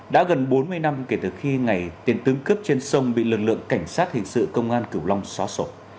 đã gần bốn mươi năm kể từ khi ngày tiền tướng cướp trên sông bị lực lượng cảnh sát hình sự công an cửu long xóa sổ